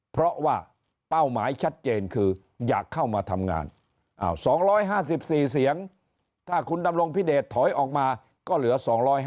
เพราะว่าเป้าหมายชัดเจนคืออยากเข้ามาทำงาน๒๕๔เสียงถ้าคุณดำรงพิเดชถอยออกมาก็เหลือ๒๕